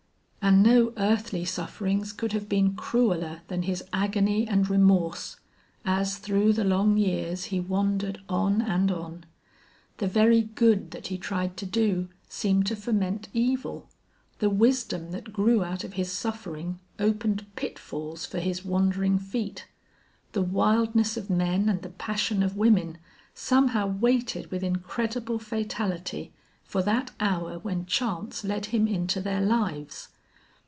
And no earthly sufferings could have been crueler than his agony and remorse, as through the long years he wandered on and on. The very good that he tried to do seemed to foment evil. The wisdom that grew out of his suffering opened pitfalls for his wandering feet. The wildness of men and the passion of women somehow waited with incredible fatality for that hour when chance led him into their lives.